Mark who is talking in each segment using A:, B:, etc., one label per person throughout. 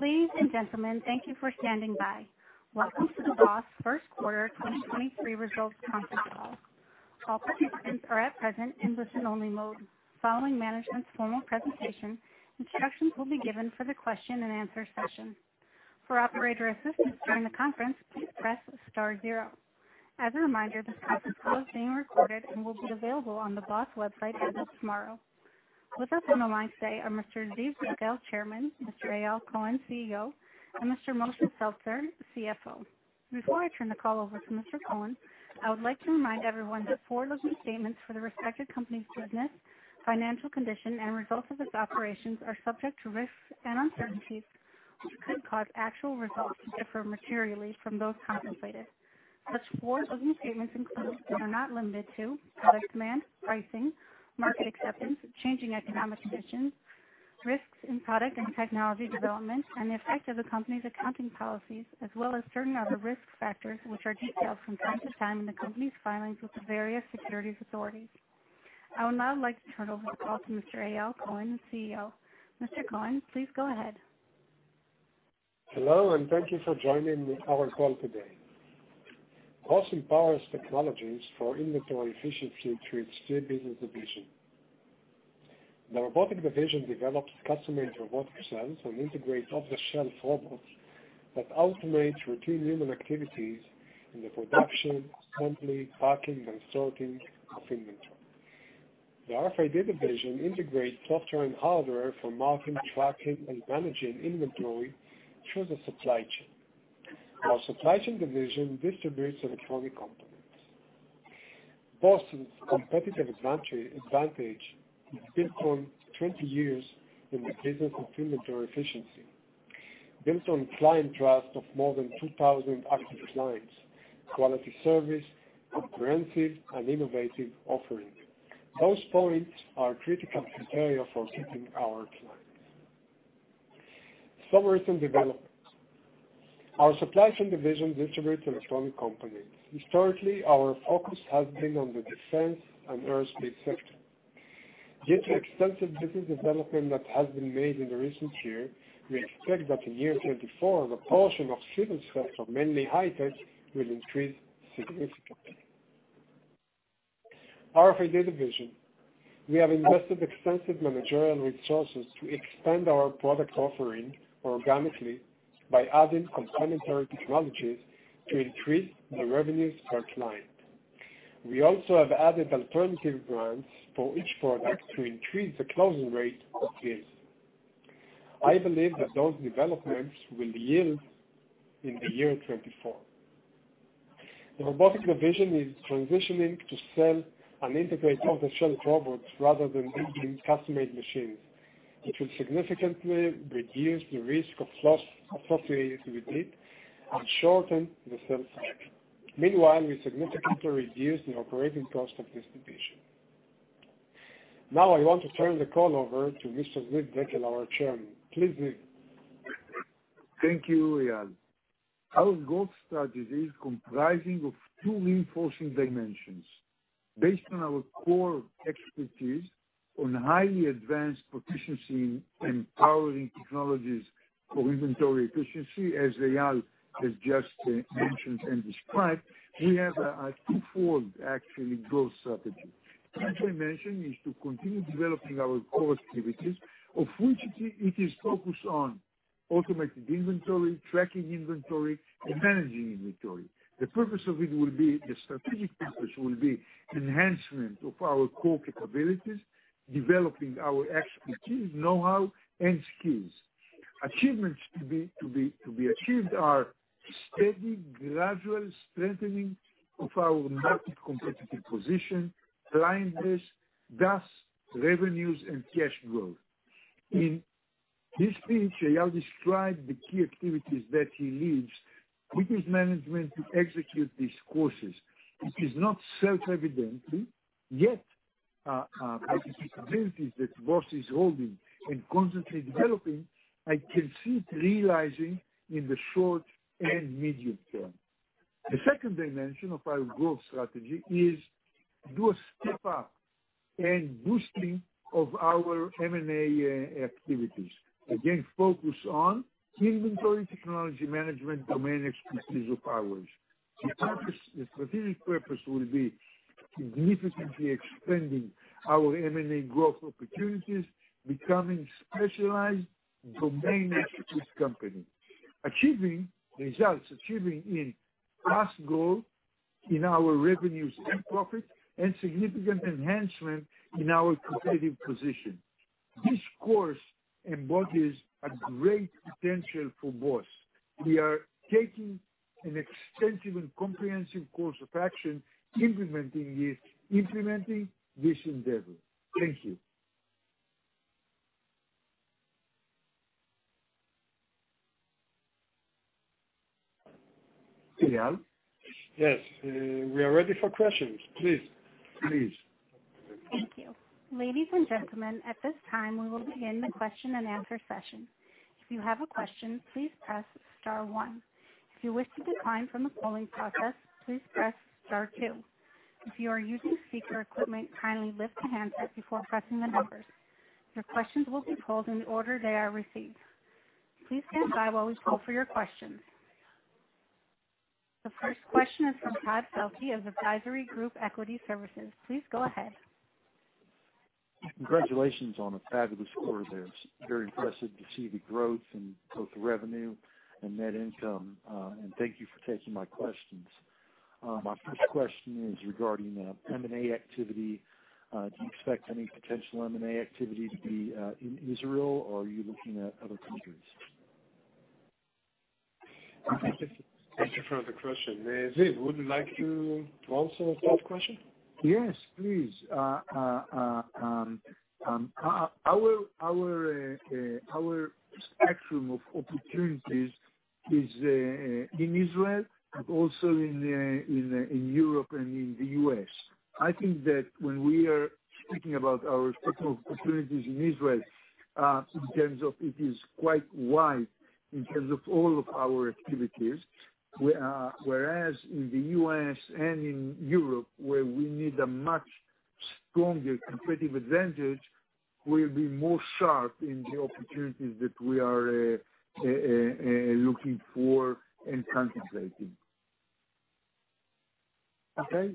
A: Ladies and gentlemen, thank you for standing by. Welcome to the BOS Q1 2023 results conference call. All participants are at present in listen-only mode. Following management's formal presentation, instructions will be given for the question and answer session. For operator assistance during the conference, please press star zero. As a reminder, this conference call is being recorded and will be available on the BOS website as of tomorrow. With us on the line today are Mr. Ziv Dekel, Chairman, Mr. Eyal Cohen, CEO, and Mr. Moshe Zeltzer, CFO. Before I turn the call over to Mr. Cohen, I would like to remind everyone that forward-looking statements for the respective company's business, financial condition, and results of its operations are subject to risks and uncertainties, which could cause actual results to differ materially from those contemplated. Such forward-looking statements include, but are not limited to, product demand, pricing, market acceptance, changing economic conditions, risks in product and technology development, and the effect of the company's accounting policies, as well as certain other risk factors, which are detailed from time to time in the company's filings with the various securities authorities. I would now like to turn over the call to Mr. Eyal Cohen, the CEO. Mr. Cohen, please go ahead.
B: Hello, thank you for joining our call today. BOS empowers technologies for inventory efficiency through its three business divisions. The Robotic division develops custom-made robotic cells and integrates off-the-shelf robots that automate routine human activities in the production, assembly, packing, and sorting of inventory. The RFID division integrates software and hardware for marking, tracking, and managing inventory through the supply chain. Our Supply Chain division distributes electronic components. BOS's competitive advantage is built on 20 years in the business of inventory efficiency, built on client trust of more than 2,000 active clients, quality service, comprehensive and innovative offering. Those points are critical criteria for keeping our clients. Some recent developments. Our Supply Chain division distributes electronic components. Historically, our focus has been on the defense and aerospace sector. Due to extensive business development that has been made in the recent year, we expect that in year 2024, the portion of civil sector, mainly high-tech, will increase significantly. RFID division, we have invested extensive managerial resources to expand our product offering organically by adding complementary technologies to increase the revenue per client. We have added alternative brands for each product to increase the closing rate of deals. I believe that those developments will yield in the year 2024. The Robotic division is transitioning to sell and integrate off-the-shelf robots rather than building custom-made machines. It will significantly reduce the risk of loss associated with it and shorten the sales cycle. We significantly reduced the operating cost of this division. I want to turn the call over to Mr. Ziv Dekel, our Chairman. Please, Ziv.
C: Thank you Eyal. Our growth strategy is comprising of two reinforcing dimensions. Based on our core expertise on highly advanced proficiency and powering technologies for inventory efficiency, as Eyal has just mentioned and described, we have a two-fold actually growth strategy. First dimension is to continue developing our core activities, of which it is focused on automated inventory, tracking inventory, and managing inventory. The purpose of it will be, the strategic purpose will be enhancement of our core capabilities, developing our expertise, know-how, and skills. Achievements to be achieved are steady, gradual strengthening of our market competitive position, client base, thus, revenues and cash growth. In this speech, Eyal described the key activities that he leads with his management to execute these courses. It is not self-evident, yet, I can see abilities that BOS is holding and constantly developing, I can see it realizing in the short and medium term. The second dimension of our growth strategy is do a step up and boosting of our M&A activities. Again, focus on inventory, technology management, domain expertise of ours. The purpose, the strategic purpose will be significantly expanding our M&A growth opportunities, becoming specialized domain expertise company, achieving results, achieving in last goal in our revenues and profits, and significant enhancement in our competitive position. This course embodies a great potential for BOS. We are taking an extensive and comprehensive course of action, implementing it, implementing this endeavor. Thank you. Eyal?
B: Yes, we are ready for questions. Please.
C: Please.
A: Thank you. Ladies and gentlemen, at this time, we will begin the question and answer session. If you have a question, please press star one. If you wish to decline from the polling process, please press star two. If you are using speaker equipment, kindly lift the handset before pressing the numbers. Your questions will be pulled in the order they are received. Please stand by while we pull for your questions. The first question is from Todd Felte of Advisory Group Equity Services. Please go ahead.
D: Congratulations on a fabulous quarter there. It's very impressive to see the growth in both the revenue and net income. Thank you for taking my questions. My first question is regarding M&A activity. Do you expect any potential M&A activity to be in Israel, or are you looking at other countries?
B: Thank you for the question. Ziv, would you like to answer that question?
C: Yes, please. Our spectrum of opportunities is in Israel, but also in Europe and in the U.S. I think that when we are speaking about our spectrum of opportunities in Israel, in terms of it is quite wide in terms of all of our activities. We, whereas in the U.S. and in Europe, where we need a much stronger competitive advantage, will be more sharp in the opportunities that we are looking for and contemplating.
D: Okay.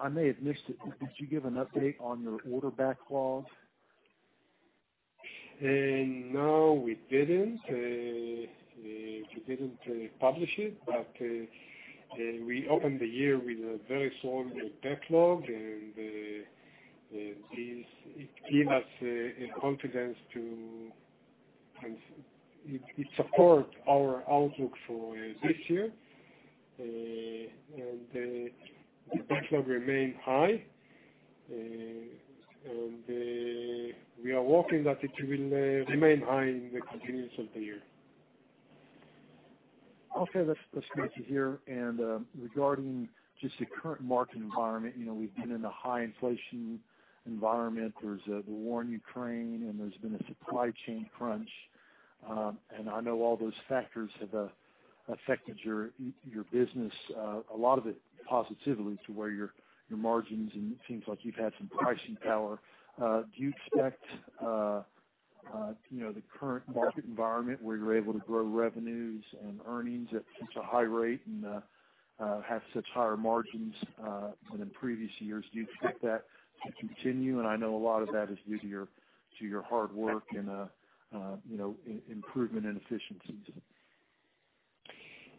D: I may have missed it. Did you give an update on your order backlogs?
B: No, we didn't. We didn't publish it, but we opened the year with a very strong backlog, and it give us confidence to support our outlook for this year. The backlog remained high, and we are working that it will remain high in the continuance of the year.
D: Okay, that's great to hear. Regarding just the current market environment, you know, we've been in a high inflation environment. There's the war in Ukraine, and there's been a supply chain crunch. I know all those factors have affected your business, a lot of it positively to where your margins and it seems like you've had some pricing power. Do you expect, you know, the current market environment where you're able to grow revenues and earnings at such a high rate and have such higher margins than in previous years, do you expect that to continue? I know a lot of that is due to your hard work and, you know, improvement and efficiencies.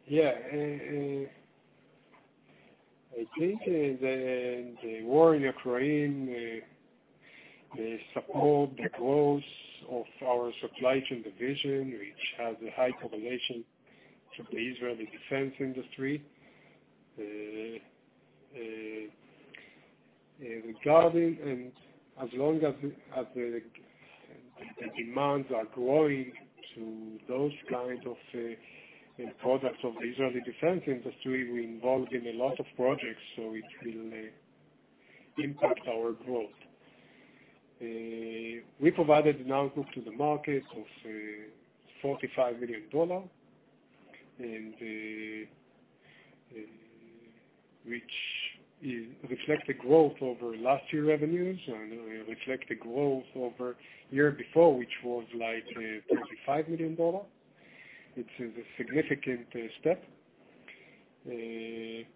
B: Yeah. I think, the war in Ukraine, support the growth of our Supply Chain division, which has a high population to the Israeli defense industry. Regarding and as long as, the demands are growing to those kind of, products of the Israeli defense industry, we're involved in a lot of projects, so it will, impact our growth. We provided an outlook to the market of $45 million, and, which is reflect the growth over last year revenues and reflect the growth over year before, which was like, $25 million. It is a significant, step. We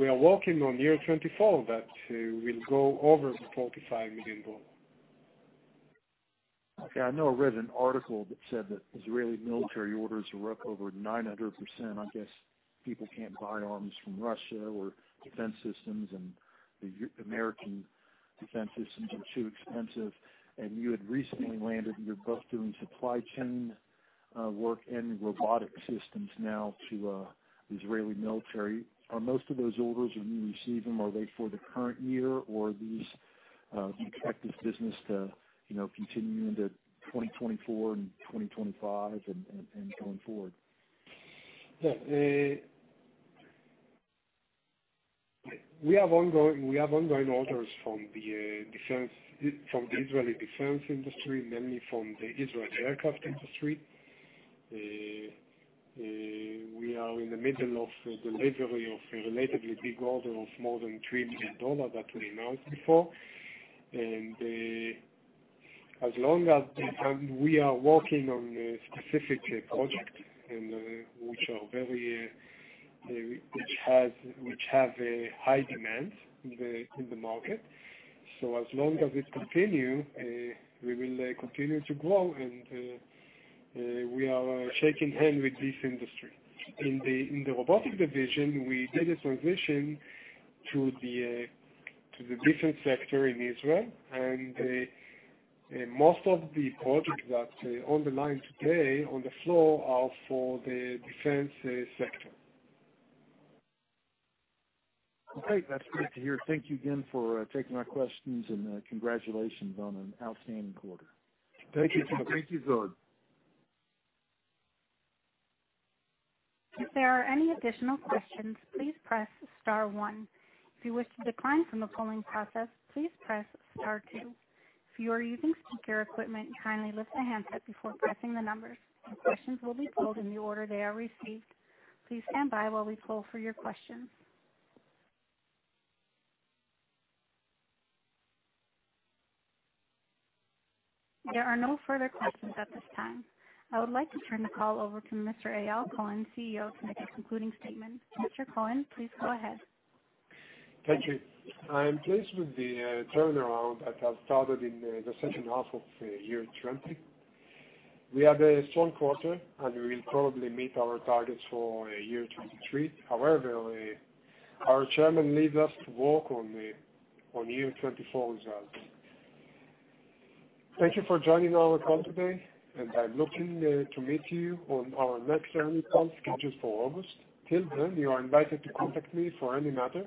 B: are working on year 2024, that, will go over the $45 million.
D: Okay. I know I read an article that said that Israeli military orders are up over 900%. I guess people can't buy arms from Russia or defense systems, and the American defense systems are too expensive, and you had recently landed. You're both doing supply chain work and robotic systems now to the Israeli military. Are most of those orders, when you receive them, are they for the current year, or are these, do you expect this business to, you know, continue into 2024 and 2025 and going forward?
B: Yeah. We have ongoing orders from the defense, from the Israeli defense industry, mainly from the Israel Aerospace Industries. We are in the middle of delivery of a relatively big order of more than $3 million that we announced before. As long as we are working on a specific project and which are very, which have a high demand in the market. As long as it continue, we will continue to grow, we are shaking hand with this industry. In the Robotic division, we did a transition to the defense sector in Israel, most of the projects that on the line today, on the floor, are for the defense sector.
D: Okay. That's great to hear. Thank you again for taking my questions, and congratulations on an outstanding quarter.
B: Thank you. Thank you, Todd.
A: If there are any additional questions, please press star one. If you wish to decline from the polling process, please press star two. If you are using speaker equipment, kindly lift the handset before pressing the numbers. Your questions will be pulled in the order they are received. Please stand by while we pull for your questions. There are no further questions at this time. I would like to turn the call over to Mr. Eyal Cohen, CEO, to make a concluding statement. Mr. Cohen, please go ahead.
B: Thank you. I'm pleased with the turnaround that has started in the second half of the year 2020. We had a strong quarter. We will probably meet our targets for year 2023. However, our chairman leads us to work on the, on year 2024 results. Thank you for joining our call today. I'm looking to meet you on our next annual call, scheduled for August. Till then, you are invited to contact me for any matter.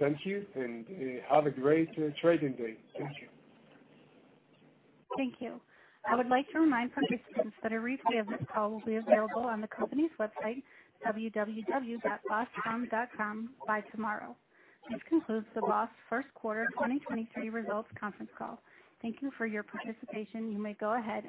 B: Thank you. Have a great trading day. Thank you.
A: Thank you. I would like to remind participants that a replay of this call will be available on the company's website, www.boscom.com, by tomorrow. This concludes the BOS Q1 2023 results conference call. Thank you for your participation. You may go ahead.